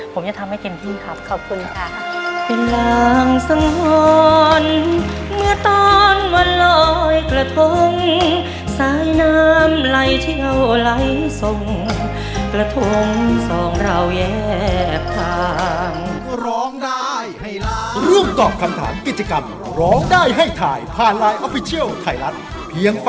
ผมจะทำให้เก็นที่ครับ